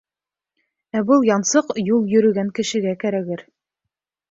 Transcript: Ә был янсыҡ юл йөрөгән кешегә кәрәгер.